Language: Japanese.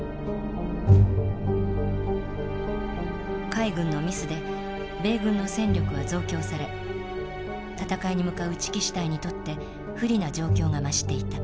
海軍のミスで米軍の戦力は増強され戦いに向かう一木支隊にとって不利な状況が増していた。